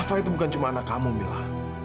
eva itu bukan cuma anak kamu mila